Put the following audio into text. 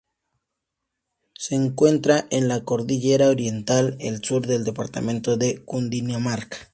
Se encuentra en la cordillera Oriental, al sur del Departamento de Cundinamarca.